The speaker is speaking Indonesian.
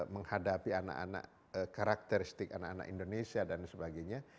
menghadapi anak anak karakteristik anak anak indonesia dan sebagainya